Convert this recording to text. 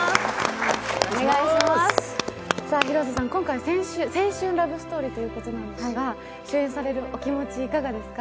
広瀬さん、今回青春ラブストーリーということなんですが、主演されるお気持ちいかがですか？